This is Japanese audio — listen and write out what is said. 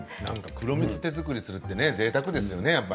黒蜜を手作りするってぜいたくですよね。